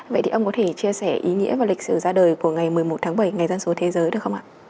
vậy thì ông có thể chia sẻ ý nghĩa và lịch sử ra đời của ngày một mươi một tháng bảy ngày dân số thế giới được không ạ